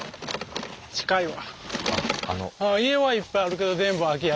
近いわ。